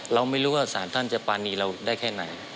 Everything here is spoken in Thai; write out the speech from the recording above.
เราไม่รู้ว่าสารท่านจะปานีเราได้แค่ไหน